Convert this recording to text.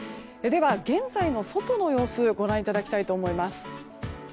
では現在の外の様子ご覧いただきたいと思います。